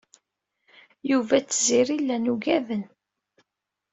Yuba d Tiziri llan uggaden.